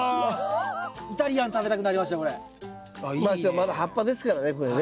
まだ葉っぱですからねこれね。